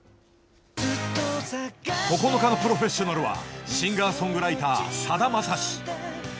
９日のプロフェッショナルは、シンガーソングライター、さだまさし。